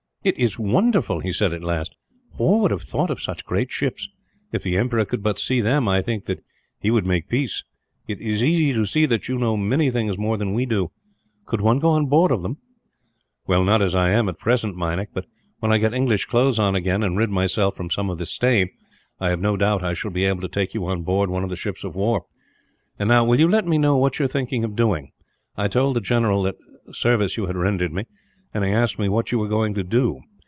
"It is wonderful!" he said at last. "Who would have thought of such great ships? If the emperor could but see them, I think that he would make peace. It is easy to see that you know many things more than we do. Could one go on board of them?" "Not as I am, at present, Meinik; but when I get English clothes on again, and rid myself from some of this stain, I have no doubt I shall be able to take you on board one of the ships of war. "And now, will you let me know what you are thinking of doing? I told the general what service you had rendered me, and he asked me what you were going to do.